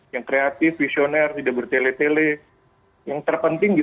yang kreatif visioner tidak bertele tele yang terpenting